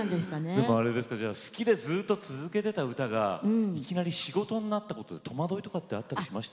でも好きでずっと続けてた歌がいきなり仕事になったことで戸惑いとかってあったりしました？